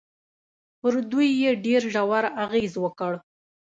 پر دوی يې ډېر ژور اغېز وکړ.